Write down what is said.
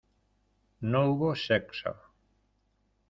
no hubo sexo.